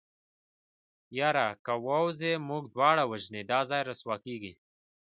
يره که ووځې موږ دواړه وژني دا ځای رسوا کېږي.